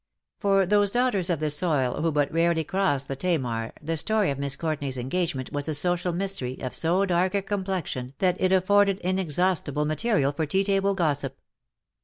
For those daughters of the soil who but rarely crossed the Tamar the story of Miss Courtenay^s engagement was a social mystery of so dark a complexion that it afforded inexhaust ible material for tea table gossip.